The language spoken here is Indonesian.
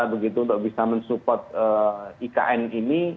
begitu untuk bisa mensupport ikn ini